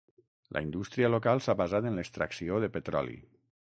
La indústria local s'ha basat en l'extracció de petroli.